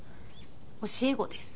教え子です。